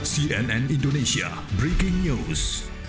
cnn indonesia breaking news